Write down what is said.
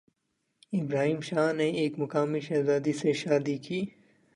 ابراہیم شاہ نے ایک مقامی شہزادی سے شادی کی